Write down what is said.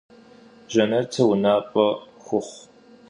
Jjenetır vunap'e xuxhu!